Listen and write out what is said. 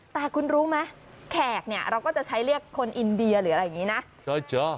แต่คุณรู้ไหมแขกเนี่ยเราก็จะใช้เรียกคนอินเดียหรืออะไรอย่างนี้นะ